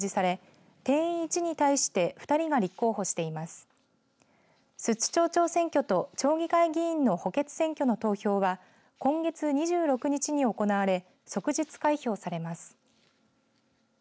寿都町長選挙と町議会議員の補欠選挙の投票は今月２６日に行われ即日開票されます。